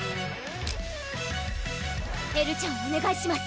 エルちゃんをおねがいします！